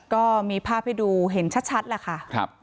ก็มีภาพให้ดูเห็นชัดแหละค่ะ